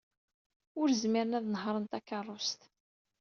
Ur zmiren ad nehṛen takeṛṛust.